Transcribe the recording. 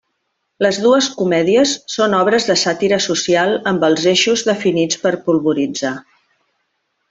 Les dues comèdies són obres de sàtira social amb els eixos definits per polvoritzar.